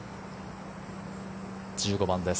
１５番です。